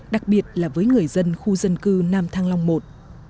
đặc biệt là với người dân khu dân cư nam thang long i